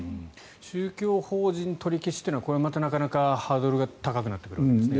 宗教法人取り消しというのはこれはまたなかなかハードルが高くなってきますね。